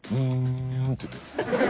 「んっ」って言って。